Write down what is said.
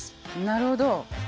なるほど。